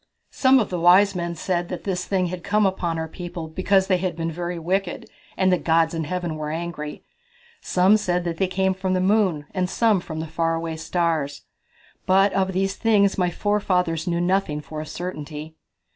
"Some of the wise men said that this thing had come upon our people because they had been very wicked, and the gods in Heaven were angry. Some said they came from the moon, and some from the far away stars. But of these things my forefathers knew nothing for a certainty."